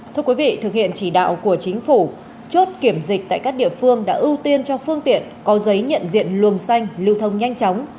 thưa quý vị thực hiện chỉ đạo của chính phủ chốt kiểm dịch tại các địa phương đã ưu tiên cho phương tiện có giấy nhận diện luồng xanh lưu thông nhanh chóng